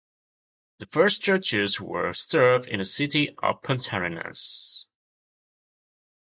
The first Churchills were served in the city of Puntarenas.